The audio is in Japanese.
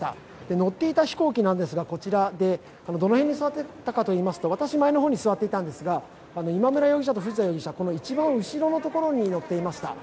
乗っていた飛行機なんですが、こちらで、どの辺に座っていたかといいますと私、前の方に座っていたんですが今村容疑者と藤田容疑者は一番後ろのところに乗っていました。